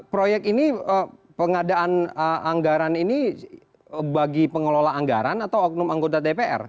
proyek ini pengadaan anggaran ini bagi pengelola anggaran atau oknum anggota dpr